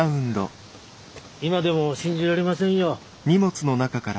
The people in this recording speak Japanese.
今でも信じられませんよ。